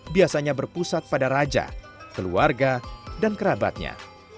biasanya berpusat pada raja keluarga dan kerabatnya